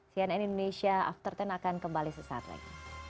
sian n indonesia after sepuluh akan kembali sesaat lagi